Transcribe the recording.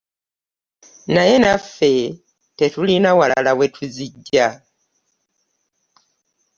Naye naffe tetulina walala we tuziggya.